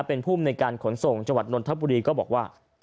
เป็นผู้มูลในการขนส่งจวัตรนทบุรีก็บอกว่า